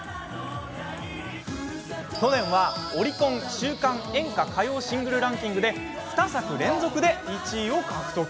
去年、オリコン週間演歌・歌謡シングルランキングでは２作連続で１位を獲得。